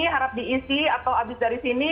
harap diisi atau habis dari sini